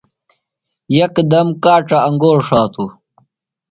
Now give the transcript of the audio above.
یکدم کاڇہ انگور ݜاتوۡ۔